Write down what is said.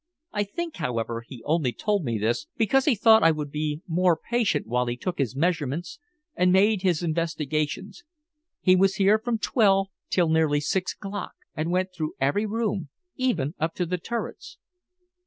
I think, however, he only told me this because he thought I would be more patient while he took his measurements and made his investigations. He was here from twelve till nearly six o'clock, and went through every room, even up to the turrets."